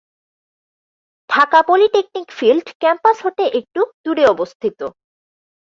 Dhaka polytechnic field campus হতে একটু দুরে অবস্থিত।